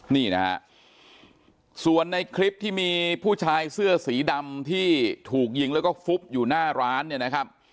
นี่นะฮะส่วนในคลิปที่มีผู้ชายเสื้อสีดำที่ถูกยิงแล้วก็ฟุบอยู่หน้าร้านเนี่ยนะครับ